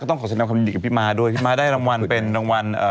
ก็ต้องขอสนับคำดีกับพี่มาด้วยพี่มาได้รางวัลเป็นรางวัล